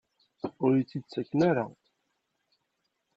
Ur iyi-tt-id-ttaken ara?